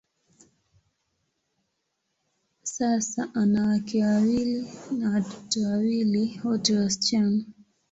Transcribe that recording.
Sasa, ana wake wawili na watoto wawili, wote wasichana.